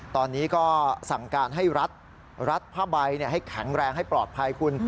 ตอนนี้ก็สั่งการให้รัฐรัดผ้าใบให้แข็งแรงให้ปลอดภัยคุณ